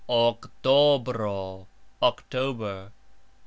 Oktobro : October.